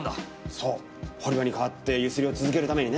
そう堀場に代わって強請りを続けるためにね。